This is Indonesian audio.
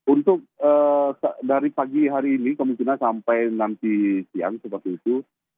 untuk dari pagi hari ini kemungkinan sampai nanti siang seperti itu